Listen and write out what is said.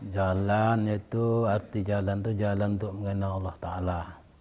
jalan itu arti jalan itu jalan untuk mengenal allah ta'ala